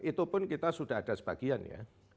itu pun kita sudah ada sebagian ya